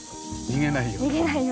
逃げないように。